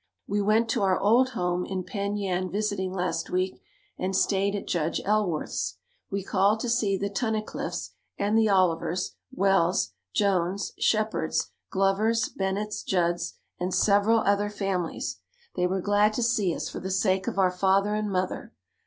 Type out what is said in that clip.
We went to our old home in Penn Yan visiting last week and stayed at Judge Ellsworth's. We called to see the Tunnicliffs and the Olivers, Wells, Jones, Shepards, Glovers, Bennetts, Judds and several other families. They were glad to see us for the sake of our father and mother.